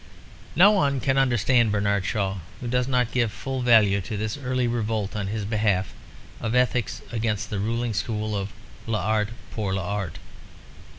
No one can understand Bernard Shaw who does not give full value to this early revolt of his on behalf of ethics against the ruling school of l'art pour l'art.